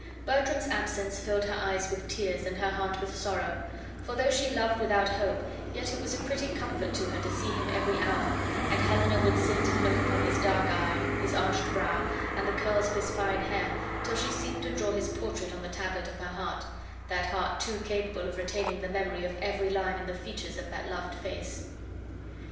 Bertram's absence filled her eyes with tears and her heart with sorrow; for though she loved without hope, yet it was a pretty comfort to her to see him every hour, and Helena would sit and look upon his dark eye, his arched brow, and the curls of his fine hair till she seemed to draw his portrait on the tablet of her heart, that heart too capable of retaining the memory of every line in the features of that loved face.